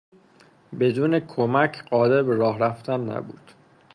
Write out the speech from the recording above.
بدون کمک قادر به راه رفتن نبود.